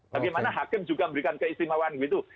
bagaimana hakim juga memberikan keistimewaan gitu